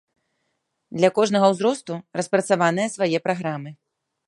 Для кожнага ўзросту распрацаваныя свае праграмы.